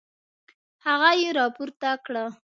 هغه يې راپورته کړه.